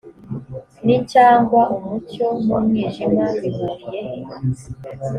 n cyangwa umucyo n umwijima bihuriye he